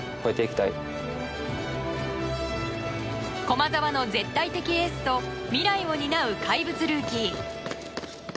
駒澤の絶対的エースと未来を担う怪物ルーキー。